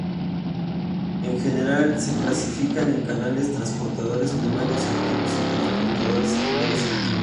En general, se clasifican en canales, transportadores primarios activos y transportadores secundarios activos.